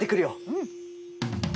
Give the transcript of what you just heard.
うん。